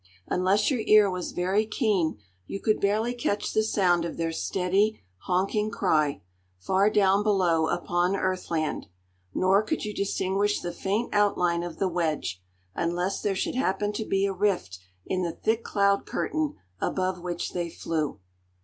Unless your ear was very keen, you could barely catch the sound of their steady honking cry, far down below upon earthland, nor could you distinguish the faint outline of the wedge, unless there should happen to be a rift in the thick cloud curtain above which they flew.